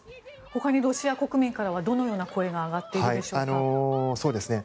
他にロシア国民からはどのような声が上がっているんでしょうか？